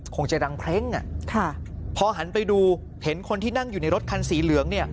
คงจะดังเพลงพอหันไปดูเห็นคนที่นั่งอยู่ในรถคันสีเหลืองเนี่ย